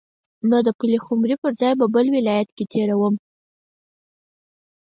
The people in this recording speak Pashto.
نو د پلخمري پر ځای به بل ولایت کې تیروم.